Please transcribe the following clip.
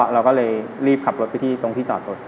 เราก็เลยรีบขับรถไปที่จอดรถ